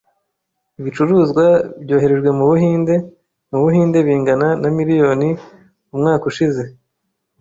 Ibicuruzwa byoherejwe mu Buhinde mu Buhinde bingana na miliyoni $ umwaka ushize.